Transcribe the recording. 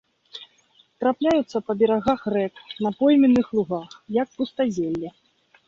Трапляюцца па берагах рэк, на пойменных лугах, як пустазелле.